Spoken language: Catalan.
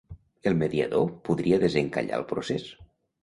El mediador podria desencallar el procés